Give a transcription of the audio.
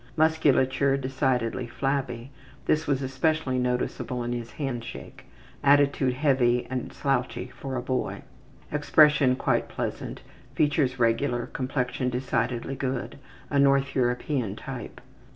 Musculature decidedly flabby; this was especially noticeable in his handshake. Attitude heavy and slouchy for a boy. Expression quite pleasant; features regular; complexion decidedly good. A North European type.